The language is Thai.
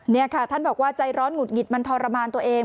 นี่ค่ะท่านบอกว่าใจร้อนหงุดหงิดมันทรมานตัวเอง